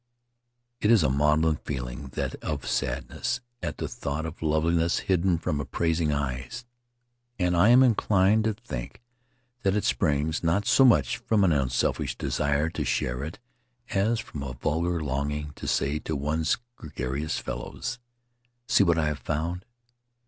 It is a maudlin feeling, that of sadness at the thought of loveliness hidden from appraising eyes; and I am inclined to think that it springs, not so much from an unselfish desire to share it, as from a vulgar longing to say to one's gregarious fellows: "See what I have found!